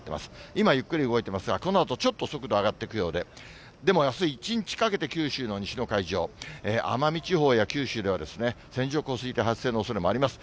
今、ゆっくり動いていますが、このあとちょっと速度上がっていくようで、でもあす一日かけて九州の西の海上、奄美地方や九州では、線状降水帯発生のおそれもあります。